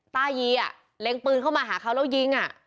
ตายีอ่ะเล็งปืนเข้ามาหาเขาแล้วยิง